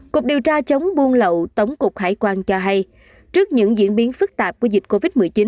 cục điều tra chống buôn lậu tống cục hải quan cho hay trước những diễn biến phức tạp của dịch covid một mươi chín